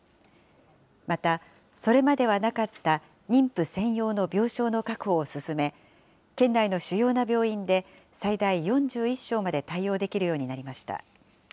またそれまではなかった妊婦専用の病床の確保を進め、県内の主要な病院で最大４１床まで対応できるようになりました。